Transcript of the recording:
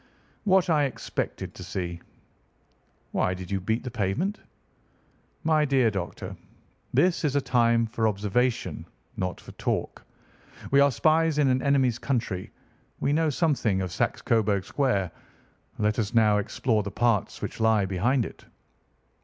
"What I expected to see." "Why did you beat the pavement?" "My dear doctor, this is a time for observation, not for talk. We are spies in an enemy's country. We know something of Saxe Coburg Square. Let us now explore the parts which lie behind it."